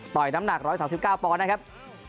ต่อยน้ำหนัก๑๓๙ปนะครับ